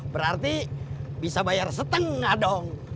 berarti bisa bayar setengah dong